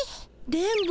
電ボ